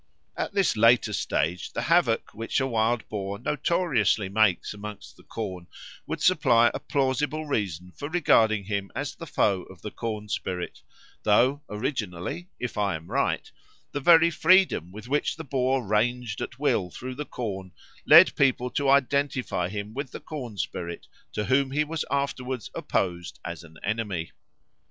At this later stage the havoc which a wild boar notoriously makes amongst the corn would supply a plausible reason for regarding him as the foe of the corn spirit, though originally, if I am right, the very freedom with which the boar ranged at will through the corn led people to identify him with the corn spirit, to whom he was afterwards opposed as an enemy.